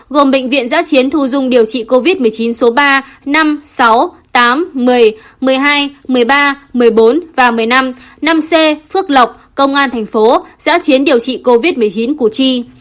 gồm bệnh viện giã chiến thu dung điều trị covid một mươi chín số ba năm sáu tám một mươi một mươi hai một mươi ba một mươi bốn và một mươi năm năm c phước lộc công an thành phố giã chiến điều trị covid một mươi chín củ chi